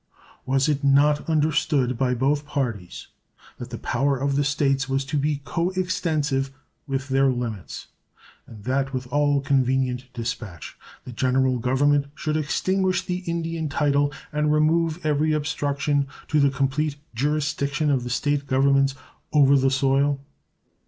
Was it not understood by both parties that the power of the States was to be coextensive with their limits, and that with all convenient dispatch the General Government should extinguish the Indian title and remove every obstruction to the complete jurisdiction of the State governments over the soil?